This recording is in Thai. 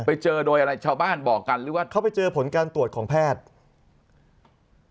ไปเจอโดยอะไรชาวบ้านบอกกันหรือว่าเขาไปเจอผลการตรวจของแพทย์